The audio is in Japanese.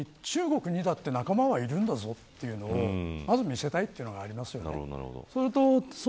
中国にだって仲間はいるんだぞというのをまず見せたいというのはありますよね。